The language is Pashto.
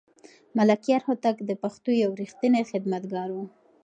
ملکیار هوتک د پښتو یو رښتینی خدمتګار و.